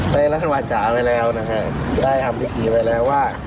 ได้รัฐวาจรรย์ไปแล้ว